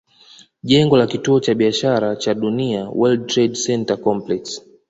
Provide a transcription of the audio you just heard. Jengo la Kituo cha Biashara cha Dunia World Trade Center complex